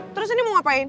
terus ini mau ngapain